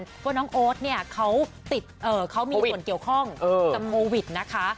เพราะว่าน้องโอ๊ตเนี่ยเขาติดเขามีส่วนเกี่ยวข้องกับโควิดนะคะ